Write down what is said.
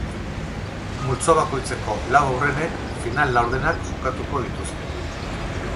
Multzo bakoitzeko lau aurrenek final-laurdenak jokatuko dituzte.